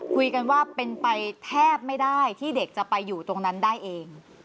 คุยกันว่าเป็นไปแทบไม่ได้ที่เด็กจะไปอยู่ตรงนั้นได้เอง